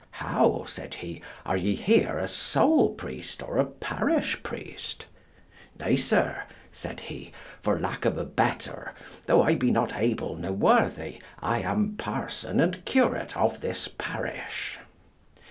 "How," said he, "are ye here a soul priest or a parish priest?" "Nay, sir," said he, "for lack of a better, though I be not able ne worthy, I am parson and curate of this parish."